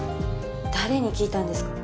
誰に聞いたんですか？